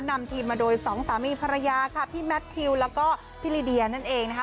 นำทีมมาโดยสองสามีภรรยาค่ะพี่แมททิวแล้วก็พี่ลิเดียนั่นเองนะคะ